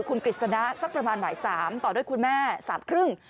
คุณกฤษณะสักประมาณบ่าย๓ต่อด้วยคุณแม่สามครึ่ง